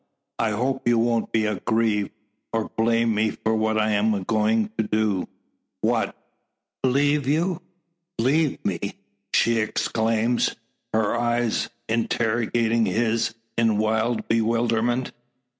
I hope you won't be aggrieved, or blame me for hat I am going to do." "What?" "Leave you." "Leave me!" she exclaims, her eyes interrogating his in wild bewilderment.